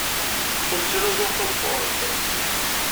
Teqqel d tanaẓurt tameqrant.